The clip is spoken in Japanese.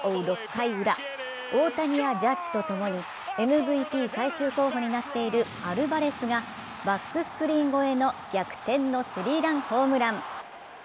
６回ウラ、大谷やジャッジとともにＭＶＰ最終候補になっているアルバレスがバックスクリーン越えの逆転のスリーランホームラン。